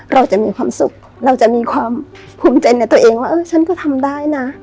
เราจะมีความสุขเราจะมีความภูมิใจในตัวเองว่าเออฉันก็ทำได้นะ